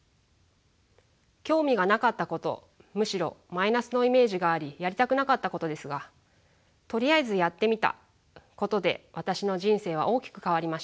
興味がなかったことむしろマイナスのイメージがありやりたくなかったことですがとりあえずやってみたことで私の人生は大きく変わりました。